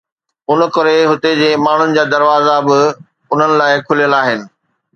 ان ڪري هتي جي ماڻهن جا دروازا به انهن لاءِ کليل آهن.